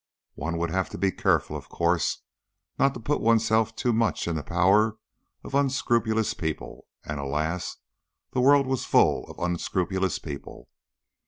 One would have to be careful, of course, not to put oneself too much in the power of unscrupulous people, and, alas! the world was full of unscrupulous people.